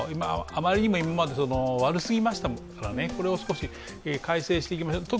あまりにも今まで悪すぎましたからこれを少し改正していきましょうと。